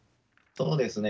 そうですね。